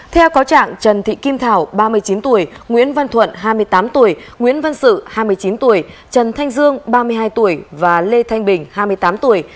theo có trạng trần thị kim thảo ba mươi chín tuổi nguyễn văn thuận hai mươi tám tuổi nguyễn văn sự hai mươi chín tuổi trần thanh dương ba mươi hai tuổi và lê thanh bình hai mươi tám tuổi